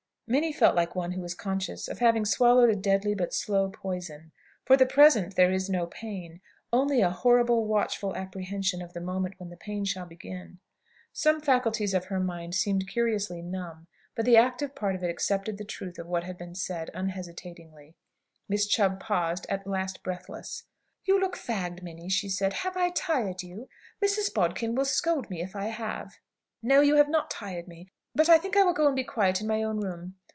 Minnie felt like one who is conscious of having swallowed a deadly but slow poison. For the present there is no pain; only a horrible watchful apprehension of the moment when the pain shall begin. Some faculties of her mind seemed curiously numb. But the active part of it accepted the truth of what had been said, unhesitatingly. Miss Chubb paused at last breathless. "You look fagged, Minnie," she said. "Have I tired you? Mrs. Bodkin will scold me if I have." "No; you have not tired me. But I think I will go and be quiet in my own room.